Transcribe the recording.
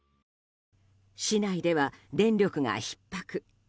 市内では電力がひっ迫。